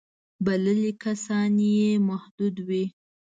بللي کسان یې محدود وي.